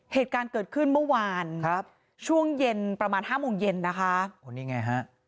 เหตุการณ์เกิดขึ้นเมื่อวานครับช่วงเย็นประมาณห้าโมงเย็นนะคะโอ้นี่ไงฮะ